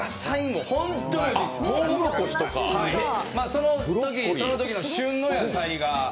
そのときそのときの旬の野菜が。